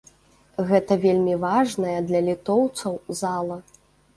Гэта вельмі важная для літоўцаў зала.